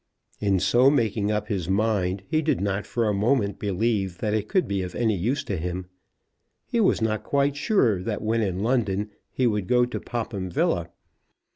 In so making up his mind he did not for a moment believe that it could be of any use to him. He was not quite sure that when in London he would go to Popham Villa.